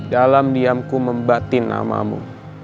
dalam diamku membatin namamu